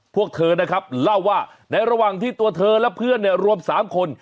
พวกเธอนะครับเล่าว่าในระหว่างที่ตัวเธอและเพื่อนเนี่ยรวม๓คน